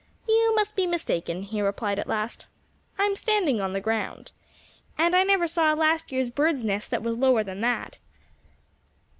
"You must be mistaken," he replied at last. "I'm standing on the ground. And I never saw a last year's bird's nest that was lower than that."